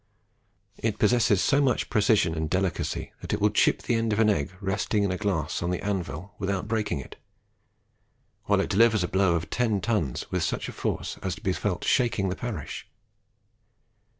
It possesses so much precision and delicacy that it will chip the end of an egg resting in a glass on the anvil without breaking it, while it delivers a blow of ten tons with such a force as to be felt shaking the parish.